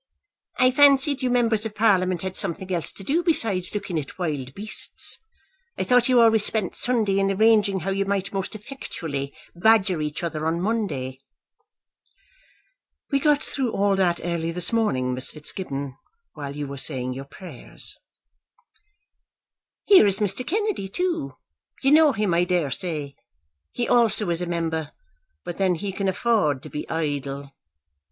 "I fancied you members of Parliament had something else to do besides looking at wild beasts. I thought you always spent Sunday in arranging how you might most effectually badger each other on Monday." "We got through all that early this morning, Miss Fitzgibbon, while you were saying your prayers." "Here is Mr. Kennedy too; you know him I daresay. He also is a member; but then he can afford to be idle."